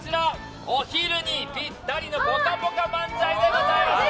お昼にぴったりのぽかぽか漫才でございます。